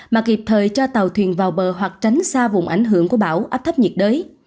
mà kịp thời cho tàu thuyền vào bờ hoặc tránh xa vùng ảnh hưởng của bão áp thấp nhiệt đới